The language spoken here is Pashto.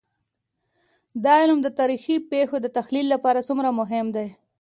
دا علم د تاريخي پېښو د تحلیل لپاره څومره مهم دی؟